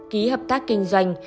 ký hợp tác kinh doanh